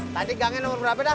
tadi gangnya nomor berapa dah